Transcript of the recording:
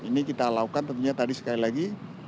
ini kita lakukan tentunya tadi sekali lagi